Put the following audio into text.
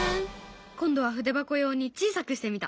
今度は筆箱用に小さくしてみた！